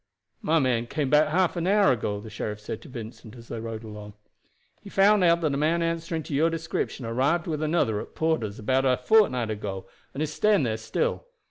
"My man came back half an hour ago," the sheriff said to Vincent as they rode along. "He found out that a man answering to your description arrived with another at Porter's about a fortnight ago, and is staying there still.